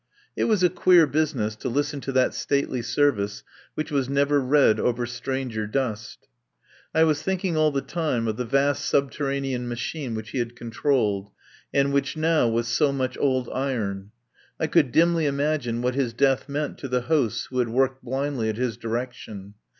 It was a queer business to listen to that stately service which was never read over stranger dust. I was thinking all the time of the vast subterranean machine which he had controlled, and which now was so much old iron. I could dimly imagine what his death meant to the hosts who had worked blindly at his direction.